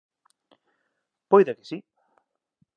Poida que si.